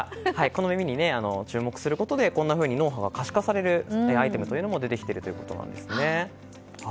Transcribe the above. この耳に注目することでこんなふうに脳波が可視化されるアイテムというのも出てきてるということです。